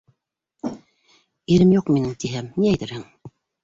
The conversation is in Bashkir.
— Ирем юҡ минең, тиһәм, ни әйтерһең?